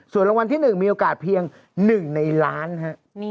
ส่วนรางวัลที่๑มีโอกาสเพียง๑ในล้านฮะ